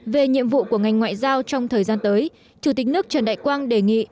về nhiệm vụ của ngành ngoại giao trong thời gian tới chủ tịch nước trần đại quang đề nghị